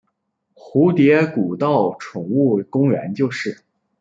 蝴蝶谷道宠物公园就是。